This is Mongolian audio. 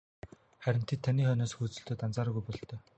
Харин тэд таны хойноос хөөцөлдөөд анзаараагүй бололтой.